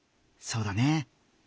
そうだね。